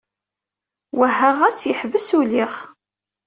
Wehheɣ-as, yeḥbes. Uliɣ.